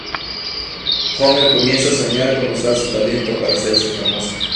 Homer comienza a soñar con usar su talento para hacerse famosa.